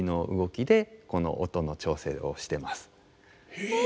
へえ。